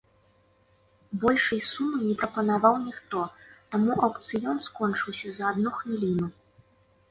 Большай сумы не прапанаваў ніхто, таму аўкцыён скончыўся за адну хвіліну.